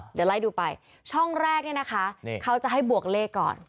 เดี๋ยวไล่ดูไปช่องแรกเนี่ยนะคะเขาจะให้บวกเลขก่อน